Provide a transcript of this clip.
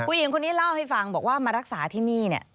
ผู้หญิงคนนี้เล่าให้ฟังบอกว่ามารักษาที่นี่เนี่ย